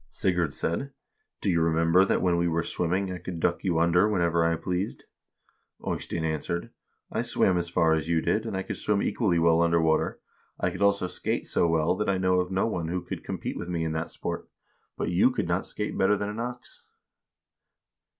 Sigurd said: 'Do you remember that when we were swimming I could duck you under whenever I pleased ?' Eystein answered :' I swam as far as you did, and I could swim equally well under water. I could also skate so well that I know of no one who could compete with me in that sport, KING EYSTEIN MAGNUSSON'S REIGN 325 but you could not skate better than an ox.'